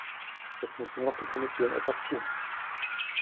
Jetzt muss nur noch die Kommission etwas tun.